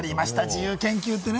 自由研究ってね。